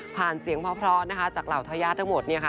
เสียงเพราะนะคะจากเหล่าทายาททั้งหมดเนี่ยค่ะ